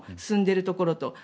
進んでいるところと。